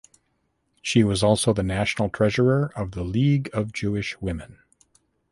She was also the national treasurer of the League of Jewish Women.